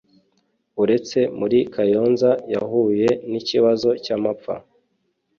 uretse muri Kayonza yahuye n’ikibazo cy’amapfa